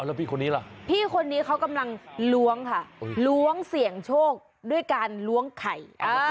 แล้วพี่คนนี้ล่ะพี่คนนี้เขากำลังล้วงค่ะล้วงเสี่ยงโชคด้วยการล้วงไข่